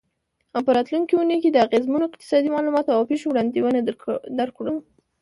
او په راتلونکې اونۍ کې د اغیزمنو اقتصادي معلوماتو او پیښو وړاندوینه درکړو.